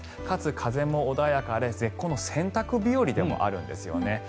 かつ風が穏やかで絶好の洗濯日和でもあるんですよね。